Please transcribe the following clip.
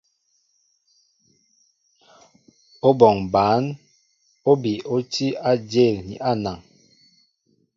Óbɔŋ bǎn óbi ó tí á ajěl á anaŋ.